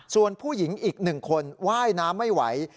ส่วนผู้หญิงอีก๑คนว่ายน้ำไม่ไหว